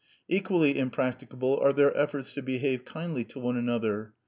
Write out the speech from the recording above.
Equally impracticable are their efforts to behave kindly to one another.